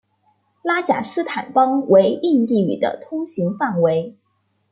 拉贾斯坦邦为印地语的通行范围。